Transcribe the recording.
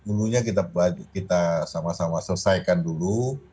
dulunya kita sama sama selesaikan dulu